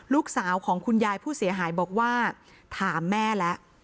ลูกชายของคุณยายผู้เสียหายบอกว่าถามแม่แล้ว